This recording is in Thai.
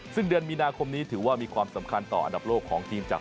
ซึ่งเดือนมีนาคมนี้ถือว่ามีความสำคัญต่ออันดับโลกของทีมจาก